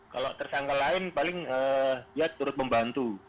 kalau tersangka lain paling dia turut membantu